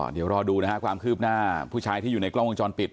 เดี๋ยวรอดูนะฮะความคืบหน้าผู้ชายที่อยู่ในกล้องวงจรปิด